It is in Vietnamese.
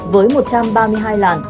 với một trăm ba mươi hai làn